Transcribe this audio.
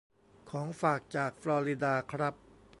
ของฝากจากฟลอริดาครับ